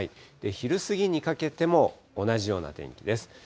昼過ぎにかけても同じような天気です。